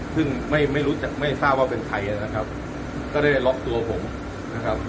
ซึ่งไม่ไม่รู้จักไม่ทราบว่าเป็นใครนะครับก็ได้ล็อกตัวผมนะครับ